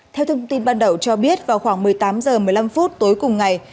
theo thông tin ban đầu cho biết vào khoảng một mươi tám h một mươi năm tối cùng ngày